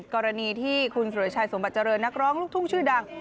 กรณีที่คุณสุรชัยสมบัติเจริญนักร้องลูกทุ่งชื่อดัง